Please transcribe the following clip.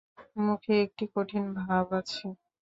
মুখে একটি কঠিন ভাব আছে।